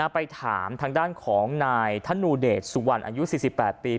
ไปถามทางด้านของนายธนูเดชสุวรรณอายุ๔๘ปี